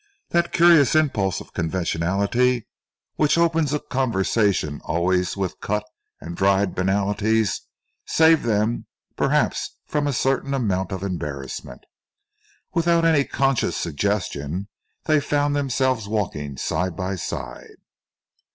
That curious impulse of conventionality which opens a conversation always with cut and dried banalities, saved them perhaps from a certain amount of embarrassment. Without any conscious suggestion, they found themselves walking side by side.